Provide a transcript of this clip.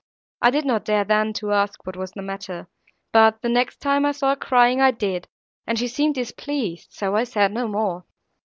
I did not dare then to ask what was the matter; but, the next time I saw her crying, I did, and she seemed displeased;—so I said no more.